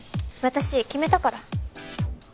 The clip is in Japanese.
私決めたから。